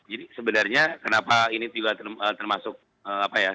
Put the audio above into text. jadi sebenarnya kenapa ini juga termasuk apa ya